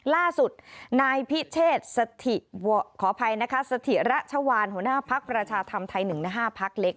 ล่าสุดนายพิเชศสถิระชวานหัวหน้าภักดิ์ประชาธรรมไทย๑๕ภักดิ์เล็ก